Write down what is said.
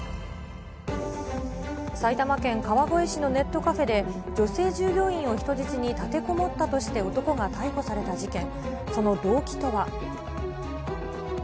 埼玉県川越市のネットカフェで、女性従業員を人質に立てこもったとして男が逮捕された事件。